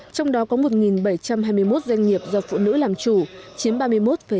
trong đó có một bảy trăm hai mươi một doanh nghiệp do phụ nữ làm chủ chiếm ba mươi một bốn